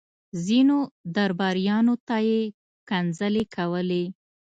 ځينو درباريانو ته يې کنځلې کولې.